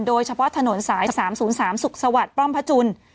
โดยเฉพาะถนนสาย๓๐๓สุขสวัสดิ์ป้อมพระจุล